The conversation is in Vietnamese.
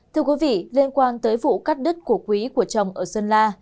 thưa quý vị liên quan tới vụ cắt đất của quý của chồng ở sơn la